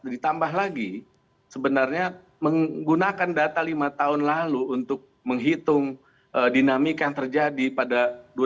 ditambah lagi sebenarnya menggunakan data lima tahun lalu untuk menghitung dinamika yang terjadi pada dua ribu dua puluh